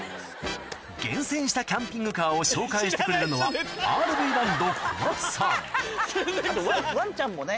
厳選したキャンピングカーを紹介してくれるのはワンちゃんもね